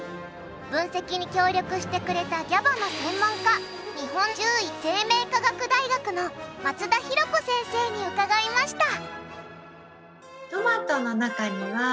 分析に協力してくれたＧＡＢＡの専門家日本獣医生命科学大学の松田寛子先生に伺いました。